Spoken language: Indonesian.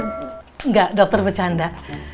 enggak dokter bercanda